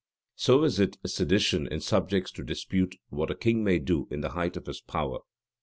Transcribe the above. So is it sedition in subjects to dispute what a king may do in the height of his power.